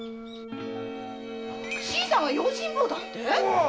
新さんが用心棒だって？